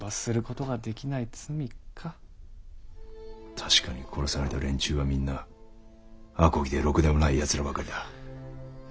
確かに殺された連中はみんなあこぎでろくでもない奴らばかりだ。